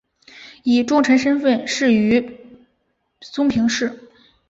以重臣身份仕于松平氏。